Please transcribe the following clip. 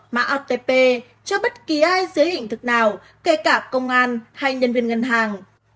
mã rtp cho bất kỳ ai dưới hình thực nào kể cả công an hay nhân viên ngân hàng